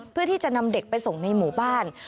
เพื่อที่จะนำเด็กไปส่งในหมู่บ้าน